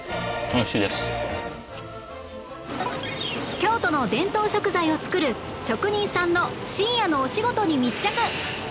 京都の伝統食材を作る職人さんの深夜のお仕事に密着